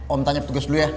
om tanya petugas dulu ya